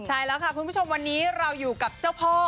ใช่แล้วค่ะคุณผู้ชมวันนี้เราอยู่กับเจ้าพ่อ